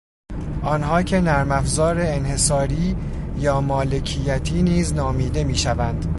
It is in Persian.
آنها که نرمافزار انحصاری یا مالکیتی نیز نامیده میشوند